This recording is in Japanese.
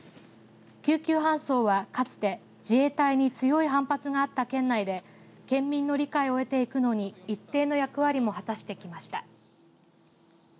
救急搬送は、かつて自衛隊に強い反発があった県内で県民の理解を得ていくのに一定の役割も果たしてきました。